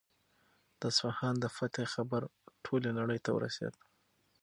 د اصفهان د فتحې خبر ټولې نړۍ ته ورسېد.